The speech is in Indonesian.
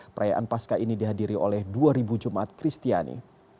perayaan pasca ini dihadiri oleh dua jumat kristiani